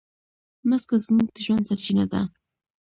مځکه زموږ د ژوند سرچینه ده.